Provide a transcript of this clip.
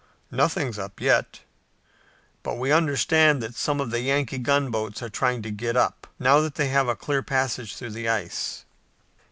"Nothing's up yet. But we understand that some of the Yankee gunboats are trying to get up, now that they have a clear passage through the ice."